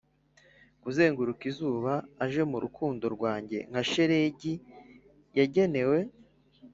kuzenguruka izuba, aje mu rukundo rwanjye nka shelegi yagenewe,